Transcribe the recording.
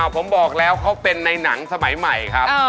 ผมบอกแล้วเขาเป็นในหนังสมัยใหม่ครับ